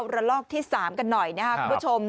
ระลอกที่๓กันหน่อยนะครับคุณผู้ชม